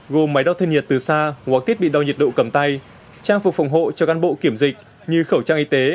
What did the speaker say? gồm máy đo thân nhiệt từ xa hoặc thiết bị đo nhiệt độ cầm tay trang phục phòng hộ cho cán bộ kiểm dịch như khẩu trang y tế